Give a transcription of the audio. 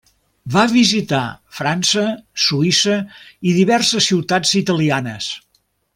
Va visitar França, Suïssa i diverses ciutats italianes.